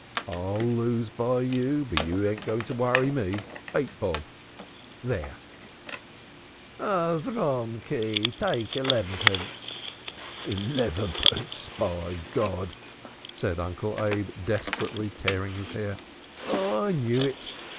I'll lose by you, but you ain't, going to worry me. Eight bob! There!" "Avroomkely (dear little Abraham) take lebbenpence!" "Elevenpence! By G ," cried Uncle Abe, desperately tearing his hair. "I knew it!"